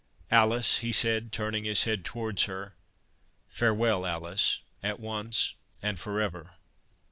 —Alice," he said, turning his head towards her, "Farewell, Alice, at once, and for ever!"